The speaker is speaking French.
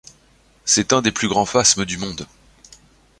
C'est un des plus grands phasmes du monde.